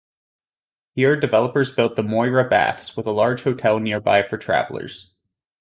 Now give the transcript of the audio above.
Here developers built the Moira Baths, with a large hotel nearby for travellers.